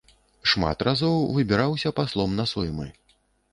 Шмат разоў выбіраўся паслом на соймы.